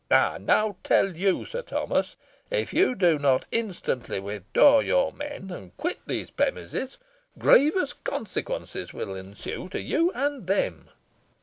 I now tell you, Sir Thomas, if you do not instantly withdraw your men, and quit these premises, grievous consequences will ensue to you and them."